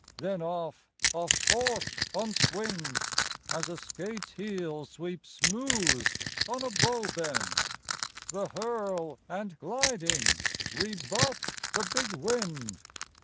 then off, off forth on swing, As a skate's heel sweeps smooth on a bow bend: the hurl and gliding Rebuffed the big wind.